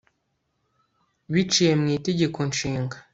biciye mu itegeko nshinga